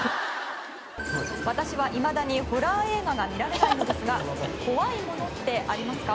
「私はいまだにホラー映画が見られないのですが怖いものってありますか？」